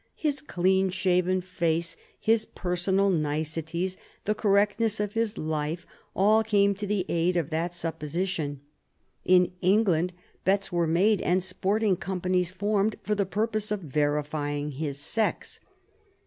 His clean shaven face, his personal niceties, the correctness of his life, all came to the aid of that supposition. In England bets were made and sporting companies formed for the purpose of verifying his sex.